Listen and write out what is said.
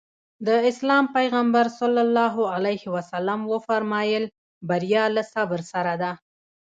د اسلام پيغمبر ص وفرمايل بريا له صبر سره ده.